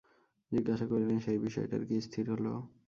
জিজ্ঞাসা করিলেন, সেই বিষয়টার কী স্থির হল?